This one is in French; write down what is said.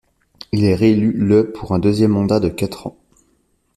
Il est réélu le pour un deuxième mandat de quatre ans.